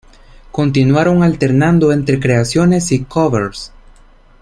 Continuaron alternando entre creaciones y covers.